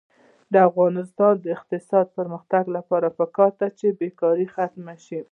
د افغانستان د اقتصادي پرمختګ لپاره پکار ده چې بېکاري ختمه شي.